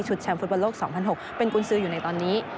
แชมป์ฟุตบอลโลก๒๐๐๖เป็นกุญสืออยู่ในตอนนี้